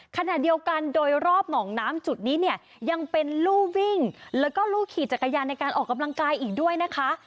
ขณะเดียวกันโดยรอบหนองน้ำจุดนี้เนี่ยยังเป็นรูวิ่งแล้วก็รูขี่จักรยานในการออกกำลังกายอีกด้วยนะคะ